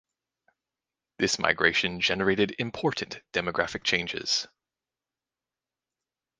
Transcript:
This migration generated important demographic changes.